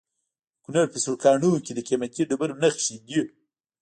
د کونړ په سرکاڼو کې د قیمتي ډبرو نښې دي.